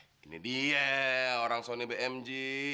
eh ini dia orang sony bmg